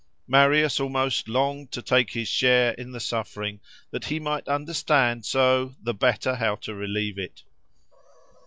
Marius almost longed to take his share in the suffering, that he might understand so the better how to relieve it.